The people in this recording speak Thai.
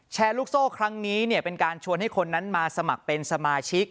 ลูกโซ่ครั้งนี้เป็นการชวนให้คนนั้นมาสมัครเป็นสมาชิก